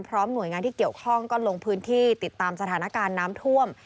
หน่วยงานที่เกี่ยวข้องก็ลงพื้นที่ติดตามสถานการณ์น้ำท่วม